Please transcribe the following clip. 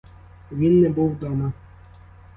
Він не був дома.